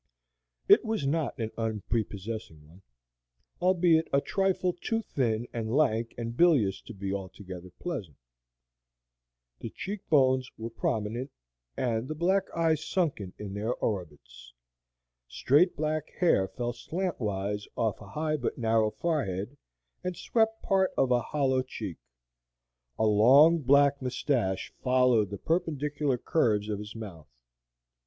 It was not an unprepossessing one, albeit a trifle too thin and lank and bilious to be altogether pleasant. The cheek bones were prominent, and the black eyes sunken in their orbits. Straight black hair fell slantwise off a high but narrow forehead, and swept part of a hollow cheek. A long black mustache followed the perpendicular curves of his mouth.